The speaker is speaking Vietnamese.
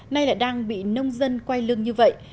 nay lại đang bị nông dân quay lưng như vậy